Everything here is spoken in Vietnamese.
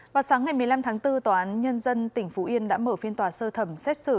vào sáng ngày một mươi năm tháng bốn tòa án nhân dân tỉnh phú yên đã mở phiên tòa sơ thẩm xét xử